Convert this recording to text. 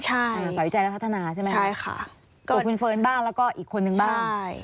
ใช่ค่ะสาววิจัยและพัฒนาใช่ไหมคะใช่ค่ะก็คุณเฟิร์นบ้างแล้วก็อีกคนนึงบ้าง